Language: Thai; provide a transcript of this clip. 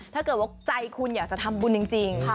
ถ้าเกิดว่าใจคุณอยากจะทำบุญจริง